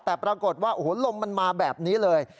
แต่ปรากฏว่าโอ้โหลมมันมาแบบนี้เลย